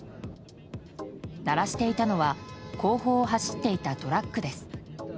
鳴らしていたのは後方を走っていたトラックです。